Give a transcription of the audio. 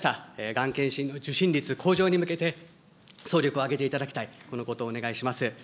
がん検診受診率向上に向けて、総力を挙げていただきたい、このことをお願いします。